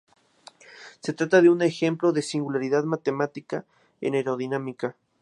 Se trata de un ejemplo de singularidad matemática en aerodinámica.